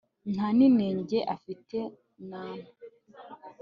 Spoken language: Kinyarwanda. nta n'inenge afite na nto